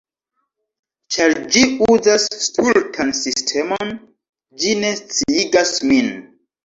Ĉar ĝi uzas stultan sistemon... ĝi ne sciigas min